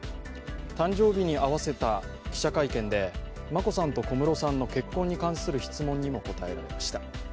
誕生日に合わせた記者会見で、眞子さんと小室さんの結婚に関する質問にも答えられました。